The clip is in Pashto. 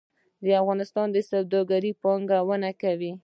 د افغانستان سوداګر پانګونه کوي